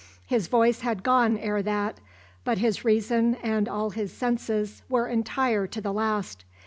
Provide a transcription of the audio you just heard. His voice had gone ere that; but his reason and all his senses were entire to the last.